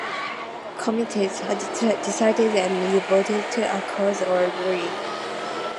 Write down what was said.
Committed - dedicated and devoted to a cause or belief.